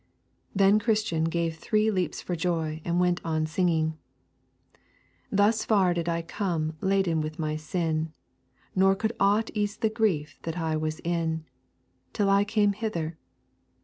Then Christian gave three leaps for joy and went on singing: 'Thus far did I come laden with my sin, Nor could ought ease the grief that I was in Till I came hither